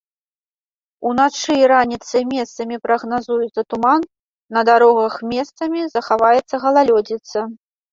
Уначы і раніцай месцамі прагназуецца туман, на дарогах месцамі захаваецца галалёдзіца.